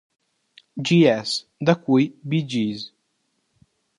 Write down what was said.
G's", da cui Bee Gees.